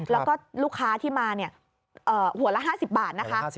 แล้วก็ลูกค้าที่มาหัวละ๕๐บาทนะคะ